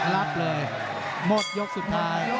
รับเลยหมดยกสุดท้าย